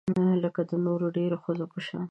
لکه د نورو ډیرو ښځو په شان